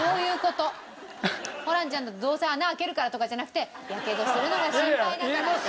ホランちゃんだとどうせ穴開けるからとかじゃなくてやけどするのが心配だから。